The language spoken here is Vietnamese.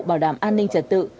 bảo đảm an ninh trật tự